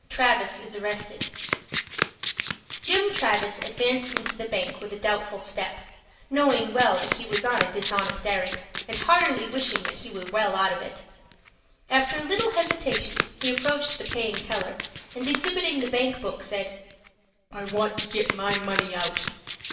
TRAVIS IS ARRESTED Jim Travis advanced into the bank with a doubtful step, knowing well that he was on a dishonest errand, and heartily wishing that he were well out of it. After a little hesitation, he approached the paying teller, and, exhibiting the bank book, said, "I want to get my money out."